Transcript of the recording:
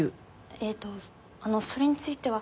えっとそれについては。